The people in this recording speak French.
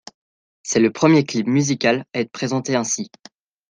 C'est le premier clip musical à être présenté ainsi.